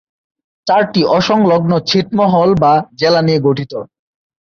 চারটি অসংলগ্ন ছিটমহল বা জেলা নিয়ে গঠিত।